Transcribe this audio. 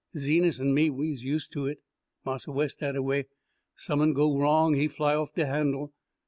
Zenas an' me, we's use to it. Marse Wes dataway; som'n go wrong he fly off de handle.